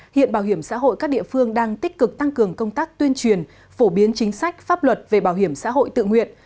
hiện bảo hiểm xã hội các địa phương đang tích cực tăng cường công tác tuyên truyền phổ biến chính sách pháp luật về bảo hiểm xã hội tự nguyện